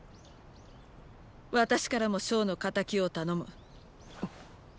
私からも象の仇を頼む。？